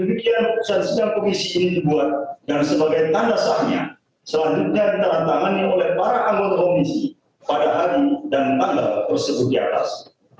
demikian putusan sidang komisi ini dibuat dan sebagai tanda saatnya selanjutnya ditandatangani oleh para anggota komisi pada hari dan tanggal tersebut di atas